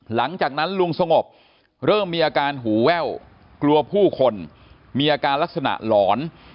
หลังจากนั้นลุงสงบเริ่มมีอาการหูแว่วกลัวผู้คนมีอาการลักษณะหลอน